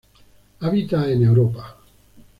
Habita en Europa.